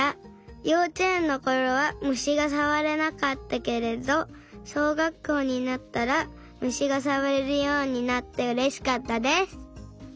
ようちえんのころはむしがさわれなかったけれどしょうがっこうになったらむしがさわれるようになってうれしかったです。